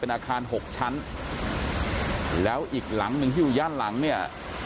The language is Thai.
อาคารหกชั้นแล้วอีกหลังหนึ่งที่อยู่ด้านหลังเนี่ย